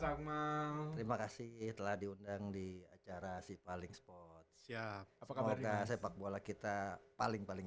sama terima kasih telah diundang di acara si paling sport siap semoga sepak bola kita paling paling